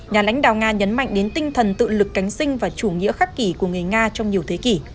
nhà lãnh đạo nga nhấn mạnh đến tinh thần tự lực cánh sinh và chủ nghĩa khắc kỳ của người nga trong nhiều thế kỷ